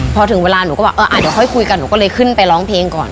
พอถึงเวลาหนูก็บอกเอออ่ะเดี๋ยวค่อยคุยกันหนูก็เลยขึ้นไปร้องเพลงก่อน